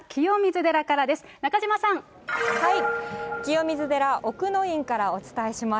清水寺おくのいんからお伝えします。